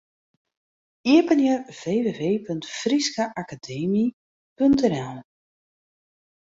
Iepenje www.fryskeakademy.nl.